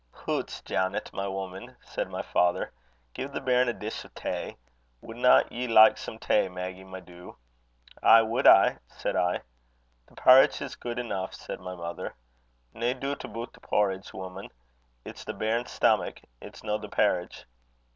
"'Hoots! Janet, my woman!' said my father. 'Gie the bairn a dish o' tay. Wadna ye like some tay, Maggy, my doo?' 'Ay wad I,' said I. 'The parritch is guid eneuch," said my mother. 'Nae doot aboot the parritch, woman; it's the bairn's stamack, it's no the parritch.'